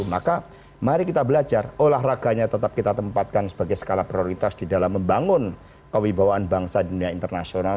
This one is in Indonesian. maka mari kita belajar olahraganya tetap kita tempatkan sebagai skala prioritas di dalam membangun kewibawaan bangsa di dunia internasional